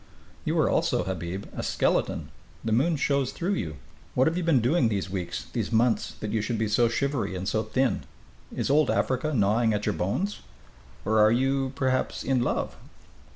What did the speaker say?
"You are also, Habib, a skeleton. The moon shows through you. What have you been doing these weeks, these months, that you should be so shivery and so thin? Is it Old Africa gnawing at your bones? Or are you, perhaps, in love?"